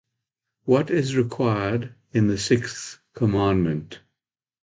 What is required in the sixth commandment?